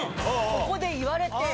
ここで言われて。